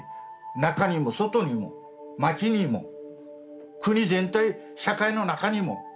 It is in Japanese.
中にも外にも町にも国全体社会の中にも。